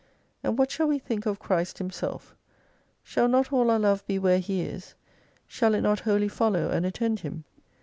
And what shall we think of Christ Himself ? Shall not all our love be where He is ? Shall it not wholly follow and attend Him